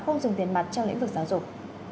không dùng tiền mặt trong lĩnh vực giáo dục